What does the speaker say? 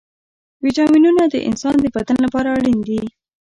ويټامينونه د انسان د بدن لپاره اړين دي.